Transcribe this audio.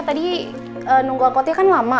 tadi nunggu angkotnya kan lama